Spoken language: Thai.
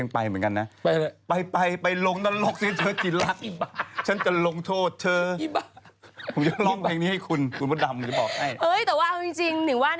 เป็นกำลังใจให้น้องเขาแล้วกันเนอะ